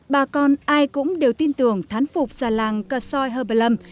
bà con ai cũng đều tin tưởng thán phục già làng cờ xoài hợp lâm